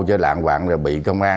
chứ lạng hoạn rồi bị công an